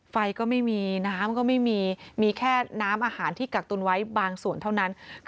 ไฟก็ไม่มีน้ำก็ไม่มีมีแค่น้ำอาหารที่กักตุนไว้บางส่วนเท่านั้น